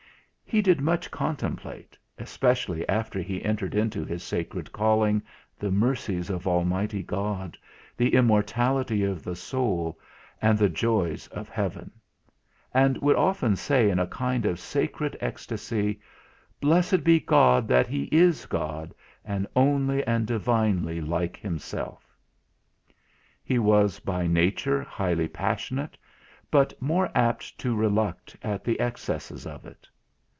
He did much contemplate especially after he entered into his sacred calling the mercies of Almighty God, the immortality of the soul, and the joys of heaven: and would often say in a kind of sacred ecstacy "Blessed be God that He is God, only and divinely like Himself." He was by nature highly passionate, but more apt to reluct at the excesses of it.